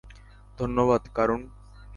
ধন্যবাদ, কারুন।